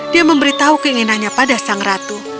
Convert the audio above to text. dia memberitahu keinginannya pada sang ratu